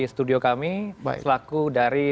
studio kami selaku dari